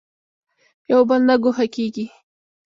یو بل نه ګوښه کېږي.